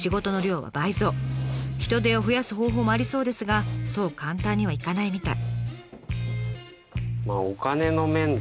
人手を増やす方法もありそうですがそう簡単にはいかないみたい。